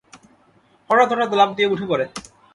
হঠাৎ হঠাৎ লাফ দিয়ে উঠে পড়ে।